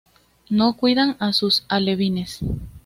No cuidan a sus alevines.